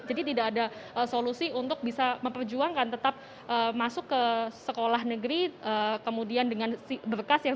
jadi tidak ada solusi untuk bisa memperjuangkan tetap masuk ke sekolah negeri kemudian dengan berkas yang